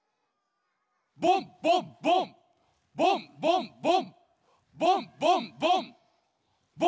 ボンボンボンボンボンボンボンボンボンボンボン。